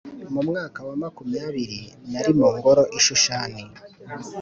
mu mwaka wa makumyabiri nari mu ngoro i Shushani